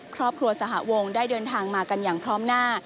ครอบครัวสหวงได้เดินทางมากันอย่างพร้อมหน้า